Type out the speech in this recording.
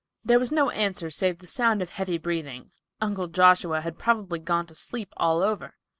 There was no answer save the sound of heavy breathing; Uncle Joshua had probably got to sleep "all over."